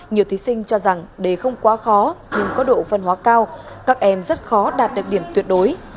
nhiều thí sinh cho rằng đề không quá khó nhưng có độ phân hóa cao các em rất khó đạt được điểm tuyệt đối